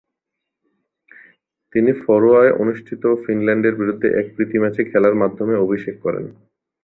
তিনি ফারোয় অনুষ্ঠিত ফিনল্যান্ডের বিরুদ্ধে এক প্রীতি ম্যাচে খেলার মাধ্যমে অভিষেক করেন।